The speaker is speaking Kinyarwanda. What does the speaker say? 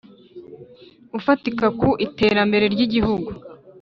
Ufatika ku iterambere ry igihugu